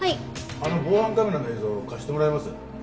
あの防犯カメラの映像を貸してもらえます？